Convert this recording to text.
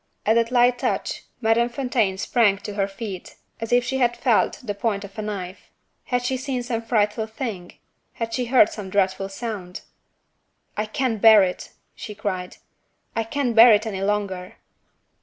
At that light touch, Madame Fontaine sprang to her feet as if she had felt the point of a knife. Had she seen some frightful thing? had she heard some dreadful sound? "I can't bear it!" she cried "I can't bear it any longer!"